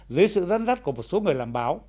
dưới sự răn rắt của một số người làm báo